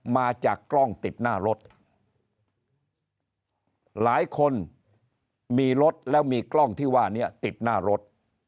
มาจากกล้องติดหน้ารถหลายคนมีรถแล้วมีกล้องที่ว่านี้ติดหน้ารถ